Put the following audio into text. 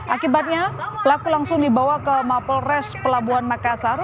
akibatnya pelaku langsung dibawa ke mapolres pelabuhan makassar